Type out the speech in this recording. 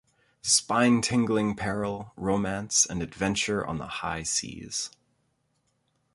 Spine-tingling peril, romance and adventure on the high seas!